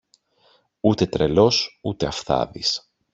Ούτε τρελός ούτε αυθάδης.